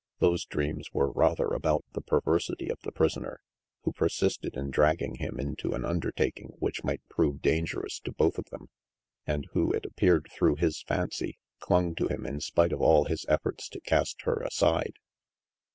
Those dreams were rather about the perversity of the prisoner, who persisted in dragging him into an undertaking which might prove dan gerous to both of them, and who, it appeared through his fancy, clung to him in spite of all his efforts to cast her aside.